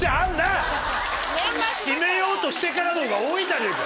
締めようとしてからのほうが多いじゃねえか。